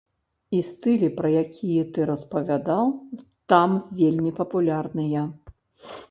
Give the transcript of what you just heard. І стылі, пра якія ты распавядаў, там вельмі папулярныя.